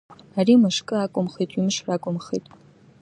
Ари мышкы акәымхеит, ҩымш ракәымхеит…